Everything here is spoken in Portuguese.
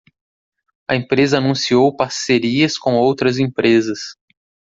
A empresa anunciou parcerias com outras empresas.